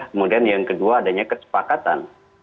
kemudian yang kedua adanya kesepakatan